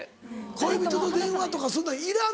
恋人と電話とかそんなんいらんの？